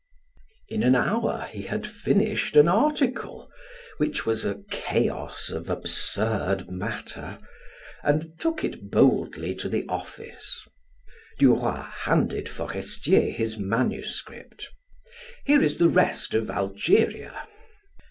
In an hour he had finished an article, which was a chaos of absurd matter, and took it boldly to the office. Duroy handed Forestier his manuscript. "Here is the rest of Algeria."